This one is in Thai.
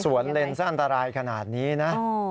เลนซะอันตรายขนาดนี้นะ